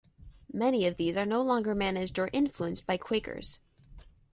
Many of these are no longer managed or influenced by Quakers.